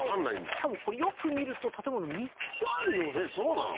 しかもこれよく見ると建物３つあるようなんですえっそうなの？